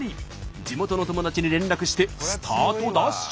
地元の友達に連絡してスタートダッシュ！